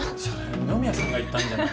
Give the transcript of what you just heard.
二宮さんが言ったんじゃない。